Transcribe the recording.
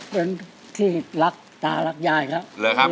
เป็นที่รักตารักยายครับ